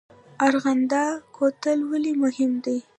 ارغنده کوتل ولې مهم دی؟